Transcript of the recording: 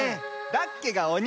ダッケがおに！